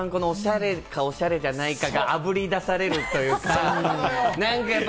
季節の変わり目が一番、おしゃれか、おしゃれじゃないか、あぶり出されるというか。